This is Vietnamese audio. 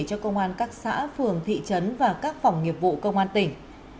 cho công an các xã phường thị trấn và các phòng nghiệp vụ công an tỉnh